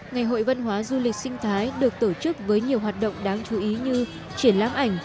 ngày hội văn hóa du lịch sinh thái được tổ chức với nhiều hoạt động đáng chú ý như triển lãm ảnh